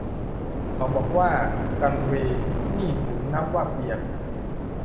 เขาบอกว่า กัลเวย์ นี่ถึงนับว่าเปียก